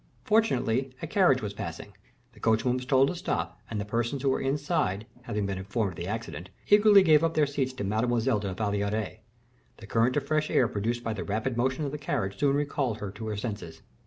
Fortunately, a carriage was passing; the coachman was told to stop, and the persons who were inside, having been informed of the accident, eagerly gave up their seats to Mademoiselle de la Valliere. The current of fresh air produced by the rapid motion of the carriage soon recalled her to her senses.